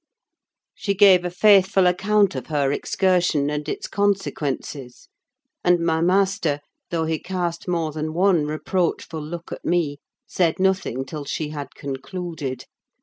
She gave a faithful account of her excursion and its consequences; and my master, though he cast more than one reproachful look at me, said nothing till she had concluded.